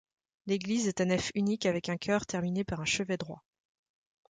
L'église est à nef unique avec un chœur terminé par un chevet droit.